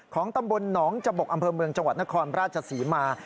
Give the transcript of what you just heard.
ตำบลหนองจบกอำเภอเมืองจังหวัดนครราชศรีมา